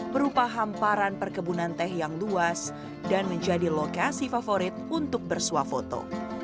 berupa hamparan perkebunan teh yang luas dan menjadi lokasi favorit untuk bersuah foto